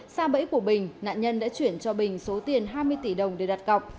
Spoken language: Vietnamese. sao bẫy của bình nạn nhân đã chuyển cho bình số tiền hai mươi tỷ đồng để đặt cọc